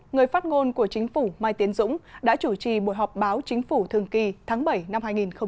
người phát ngôn của chính phủ mai tiến dũng đã chủ trì buổi họp báo chính phủ thường kỳ tháng bảy năm hai nghìn hai mươi